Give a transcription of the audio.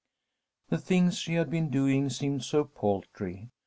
The things she had been doing seemed so paltry.